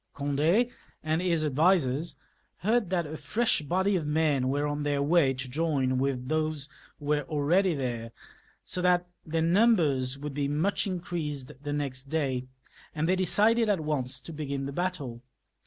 Gond6 and his advisers heard that a fresh body of men were on their way to join with those who were already there, so that their numbers would in crease even the next day, and they settled at once to begin the battle.